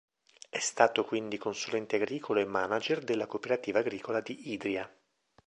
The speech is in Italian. È stato quindi consulente agricolo e manager della cooperativa agricola di Idria.